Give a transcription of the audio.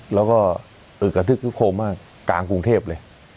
แล้วก็อึกกระทึกคึกโคมมากกลางกรุงเทพเลย